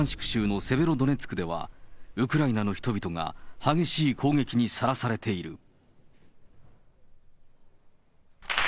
州のセベロドネツクでは、ウクライナの人々が激しい攻撃にさらされている。